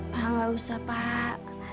pak gak usah pak